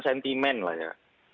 sentimen lah ya